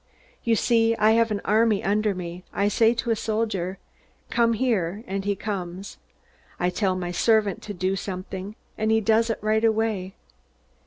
You see, I have an army under me. I say to a soldier, 'Come here,' and he comes. I tell my servant to do something, and he does it right away.